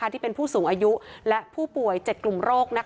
ผู้สูงอายุและผู้ป่วย๗กลุ่มโรค